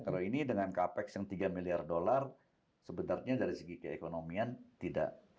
kalau ini dengan capex yang tiga miliar dolar sebenarnya dari segi keekonomian tidak